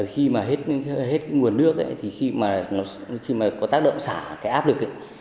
khi mà hết cái nguồn nước ấy khi mà có tác động xả cái áp lực ấy